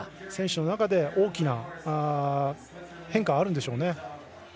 選手の中で大きな変化はあるんでしょうね。